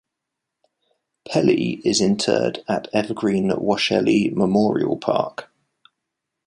Pelly is interred at Evergreen Washelli Memorial Park.